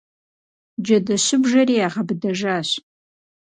Джэдэщыбжэри ягъэбыдэжащ.